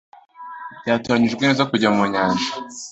Byatoranijwe neza kujya ku nyanja